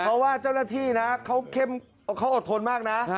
เพราะว่าเจ้าหน้าที่นะเขาเข้มเขาอดทนมากนะ